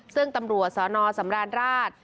ซึ่งตำรวจสนสำราญราช